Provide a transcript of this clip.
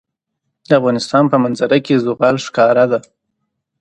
د افغانستان په منظره کې زغال ښکاره ده.